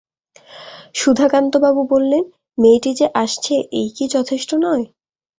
সুধাকান্তবাবু বললেন, মেয়েটি যে আসছে এই কি যথেষ্ট নয়?